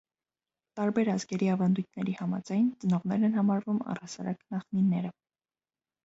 Տարբեր ազգերի ավանդույթների համաձայն՝ ծնողներ են համարվում առհասարակ նախնիները։